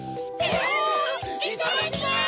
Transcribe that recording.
いただきます！